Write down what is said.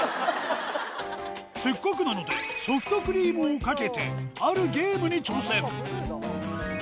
せっかくなので、ソフトクリームをかけて、あるゲームに挑戦。